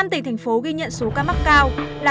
năm tỉnh thành phố ghi nhận số ca mắc cao là